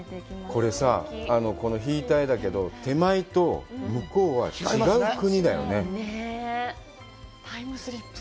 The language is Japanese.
これさぁ、これ、引いた絵だけど、手前と向こうは違う国だよね。